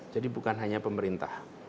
jadi bukan hanya pemerintah